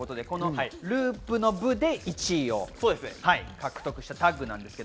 ループの部で１位を獲得したタッグです。